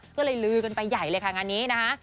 ก็เลยลือกันไปใหญ่เลยค่ะงานนี้นะคะ